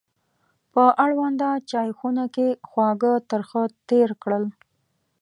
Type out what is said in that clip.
په اړونده چایخونه کې خواږه ترخه تېر کړل.